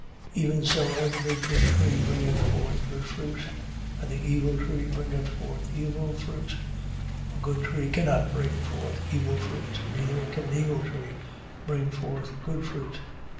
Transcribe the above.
7:17. Even so every good tree bringeth forth good fruit, and the evil tree bringeth forth evil fruit. 7:18. A good tree cannot bring forth evil fruit, neither can an evil tree bring forth good fruit. 7:19.